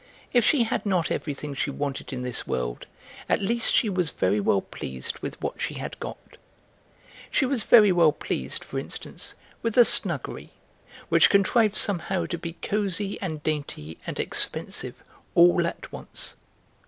If she had not everything she wanted in this world, at least she was very well pleased with what she had got. She was very well pleased, for instance, with the snuggery, which contrived somehow to be cosy and dainty and expensive all at once.